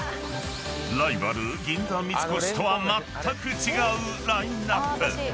［ライバル銀座三越とはまったく違うラインアップ］